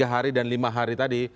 tiga hari dan lima hari tadi